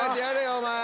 お前。